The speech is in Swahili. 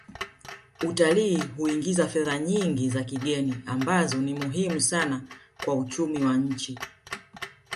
Utalii huingiza fedha nyingi za kigeni ambazo ni muhimu sana kwa uchumi wa nchi